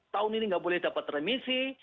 tahun ini nggak boleh dapat remisi